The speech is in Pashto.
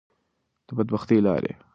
د بدبختی لارې.